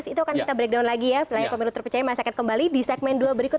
itu akan kita breakdown lagi nanti ya bang andre bang emrus